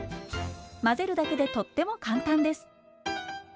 混ぜるだけでとっても簡単です。